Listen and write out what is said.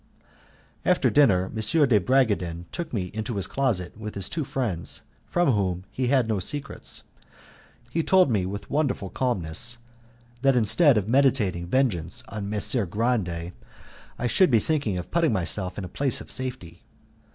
After dinner M. de Bragadin took me into his closet with his two friends, from whom he had no secrets. He told me with wonderful calmness that instead of meditating vengeance on Messer Grande I should be thinking of putting myself in a place of safety.